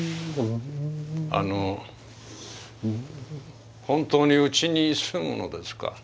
あの本当にうちに住むのですか？